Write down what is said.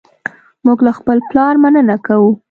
موږ له خپل پلار مننه کوو.